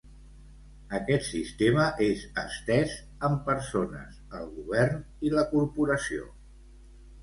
Aquest sistema és estès amb persones, el govern, i la corporació.